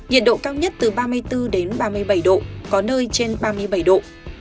nhiệt độ cao nhất từ ba mươi bốn đến ba mươi bảy độ có nơi trên ba mươi bảy độ